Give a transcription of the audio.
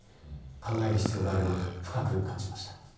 考える必要があるなと深く感じました。